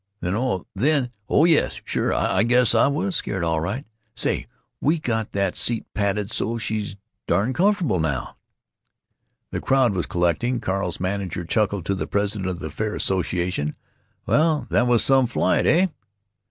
" "Then? Oh! Then. Oh yes, sure, I guess I was scared, all right!... Say, we got that seat padded so she's darn comfortable now." The crowd was collecting. Carl's manager chuckled to the president of the fair association, "Well, that was some flight, eh?"